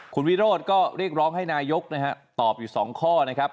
คุณวิโรธก็เรียกร้องให้นายกนะฮะตอบอยู่๒ข้อนะครับ